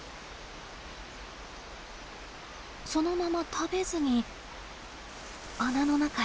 そのまま食べずに穴の中へ。